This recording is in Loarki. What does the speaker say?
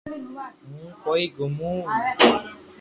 ھون ڪوئي گومو